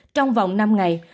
trong vòng năm ngày